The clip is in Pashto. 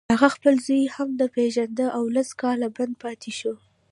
هغه خپل زوی هم نه پېژانده او لس کاله بند پاتې شو